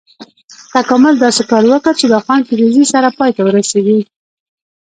تکامل داسې کار وکړ چې دا خوند په تیزي سره پای ته ورسېږي.